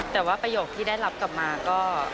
แต่ว่าประโยคที่ได้รับกลับมาก็